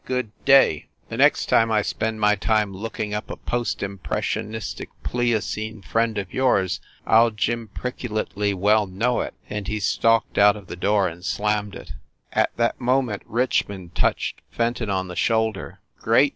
Good day ! The next time I spend my time looking up a post impressionistic, Pliocene friend of yours I ll jimpriculately well know it!" And he stalked out of the door and slammed it. THE BREWSTER MANSION 319 At that moment Richmond touched Fenton on the shoulder. "Great!"